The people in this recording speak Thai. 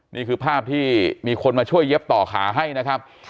นี่คือภาพที่มีคนมาช่วยเย็บต่อขาให้นะครับ